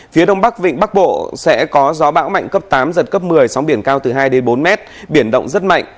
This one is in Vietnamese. phía đông bắc vịnh bắc bộ sẽ có gió bão mạnh cấp tám giật cấp một mươi sóng biển cao từ hai bốn mét biển động rất mạnh